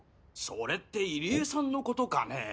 それって入江さんの事かねぇ？